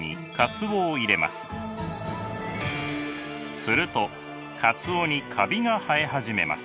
するとかつおにカビが生え始めます。